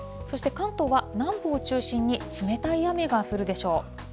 そして関東は南部を中心に冷たい雨が降るでしょう。